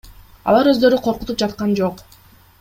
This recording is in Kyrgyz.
Алар өздөрү коркутуп жаткан жок.